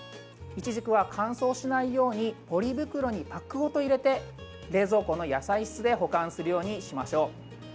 いちじくは乾燥しないようにポリ袋にパックごと入れて冷蔵庫の野菜室で保管するようにしましょう。